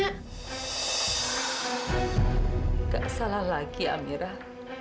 tidak salah lagi amirah